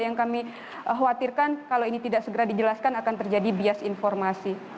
yang kami khawatirkan kalau ini tidak segera dijelaskan akan terjadi bias informasi